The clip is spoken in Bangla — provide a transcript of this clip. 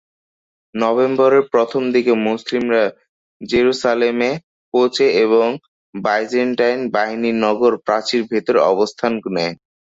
নভেম্বরের প্রথমদিকে মুসলিমরা জেরুসালেমে পৌছে এবং বাইজেন্টাইন বাহিনী নগর প্রাচীরের ভেতর অবস্থান নেয়।